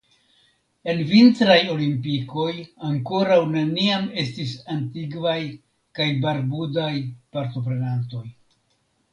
En vintraj olimpikoj ankoraŭ neniam estis antigvaj kaj barbudaj partoprenantoj.